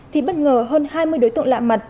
thì bất ngờ hơn hai mươi đối tượng lạ mặt